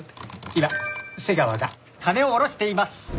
今瀬川が金を下ろしています。